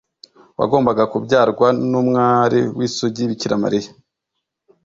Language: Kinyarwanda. wagombaga kubyarwa n‟umwari w‟isugi Bikira Mariya.